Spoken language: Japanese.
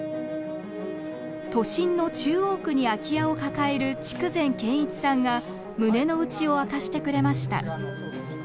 都心の中央区に空き家を抱える筑前賢一さんが胸の内を明かしてくれました。